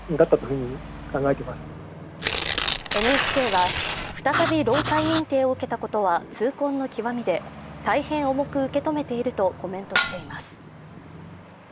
ＮＨＫは、再び労災認定を受けたことは痛恨の極みで、大変重く受け止めているとコメントしています。